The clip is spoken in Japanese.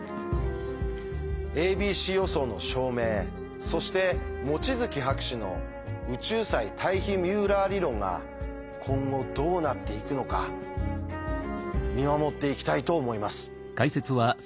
「ａｂｃ予想」の証明そして望月博士の「宇宙際タイヒミューラー理論」が今後どうなっていくのか見守っていきたいと思います。